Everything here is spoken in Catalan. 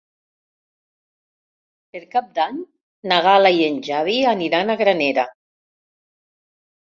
Per Cap d'Any na Gal·la i en Xavi aniran a Granera.